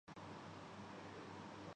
کراچی ان کی اماں جی جہیز میں لائیں تھیں ۔